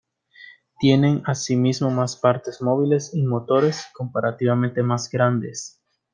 Tienen así mismo más partes móviles y motores comparativamente más grandes.